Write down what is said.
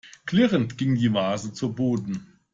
Klirrend ging die Vase zu Boden.